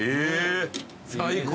最高。